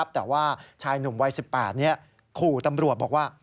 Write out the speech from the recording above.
แต่ว่าชายหนุ่มวัย๑๘ขู่ตำรวจบอกว่า